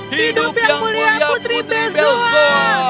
hidup yang mulia putri besok